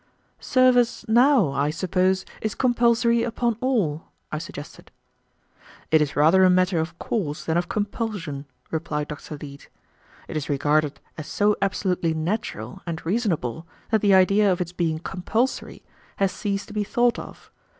"Service, now, I suppose, is compulsory upon all," I suggested. "It is rather a matter of course than of compulsion," replied Dr. Leete. "It is regarded as so absolutely natural and reasonable that the idea of its being compulsory has ceased to be thought of.